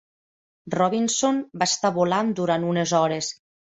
Robinson va estar volant durant unes hores.